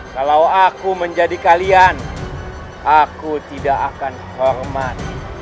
kalau aku menjadi kalian aku tidak akan hormati